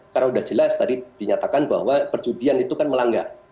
karena sudah jelas tadi dinyatakan bahwa perjudian itu kan melanggar